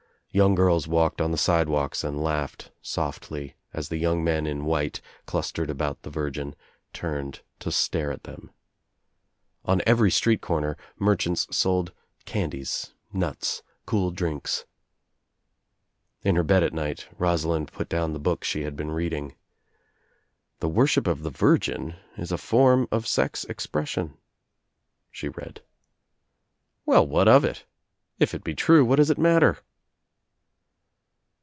Young girls walked on the sidewalks and laughed softly as 204 THE TRIUMPH OF THE EGG the young men in white, clustered about the Virgin, turned to stare at them. On every street corner mer chants sold candies, nuts, cool drinks — In her bed at night Rosalind put down the book she had been reading. "The worship of the Virgin it a form of sex expression," she read, "Well what of it? If it be true what does it mat ter?"